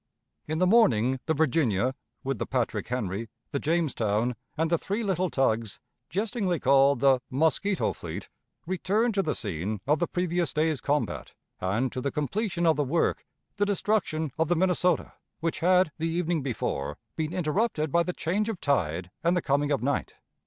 In the morning the Virginia, with the Patrick Henry, the Jamestown, and the three little tugs, jestingly called the "mosquito fleet," returned to the scene of the previous day's combat, and to the completion of the work, the destruction of the Minnesota, which had, the evening before, been interrupted by the change of tide and the coming of night.